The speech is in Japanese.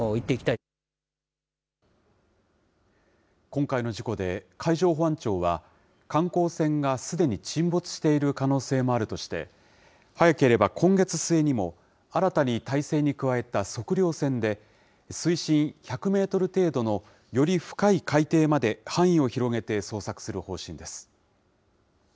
今回の事故で、海上保安庁は、観光船がすでに沈没している可能性もあるとして、早ければ今月末にも、新たに態勢に加えた測量船で、水深１００メートル程度の、より深い海底まで範囲を広げて捜索する方針です。